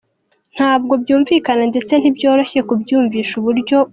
Ntabwo byumvikana ndetse ntibinoroshye kubyiyumvisha uburyo U.